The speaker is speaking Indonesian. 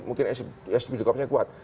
mungkin spdkop nya kuat